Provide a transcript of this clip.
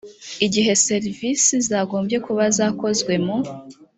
igihe servisi zagombye kuba zakozwe mu